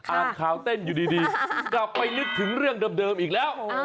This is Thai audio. อ่านข่าวเต้นอยู่ดีกลับไปนึกถึงเรื่องเดิมอีกแล้ว